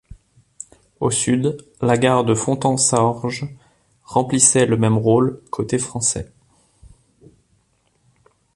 Au sud, la gare de Fontan-Saorge remplissait le même rôle, côté français.